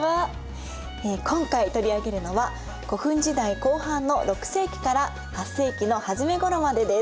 今回取り上げるのは古墳時代後半の６世紀から８世紀の初めごろまでです。